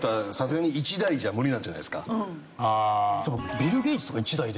ビル・ゲイツとか一代で。